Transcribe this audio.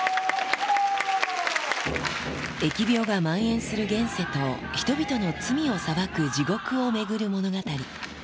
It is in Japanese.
疫病がまん延する現世と、人々の罪を裁く地獄を巡る物語。